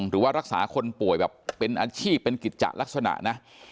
หรือว่ารักษาคนป่วยแบบเป็นอาชีพเป็นกิจจะลักษณะนะ